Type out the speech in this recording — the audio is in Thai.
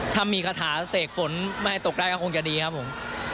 ถ้ามีคาถาเสกฝนไม่ให้ตกได้ก็คงจะดีครับผม